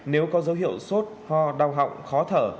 nếu có dấu hiệu sốt ho đau họng khó thở